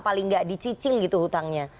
paling nggak dicicil gitu hutangnya